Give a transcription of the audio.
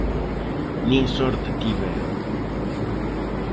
Nin sorte tiveron.